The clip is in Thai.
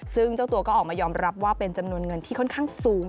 ซึ่งเจ้าตัวก็ออกมายอมรับว่าเป็นจำนวนเงินที่ค่อนข้างสูง